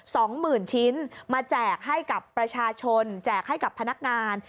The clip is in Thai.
สองหมื่นชิ้นมาแจกให้กับประชาชนแจกให้กับพนักงาน